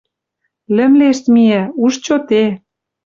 Лӹмлешт миӓ. Уж чоте